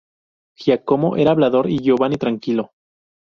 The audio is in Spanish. Giacomo era hablador, y Giovanni tranquilo.